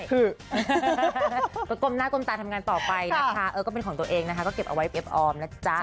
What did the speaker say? นุกกลมหน้ากลมตาทำงานต่อไปนะค่ะก็เก็บตัวเองเอาไว้เก็บอม